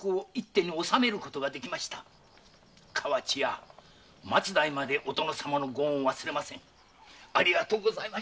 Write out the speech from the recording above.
河内屋末代までお殿様のご恩は忘れません。